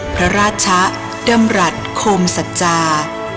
พระราชะดำรัฐโคมสัจจา